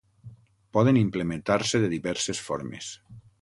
Poden implementar-se de diverses formes.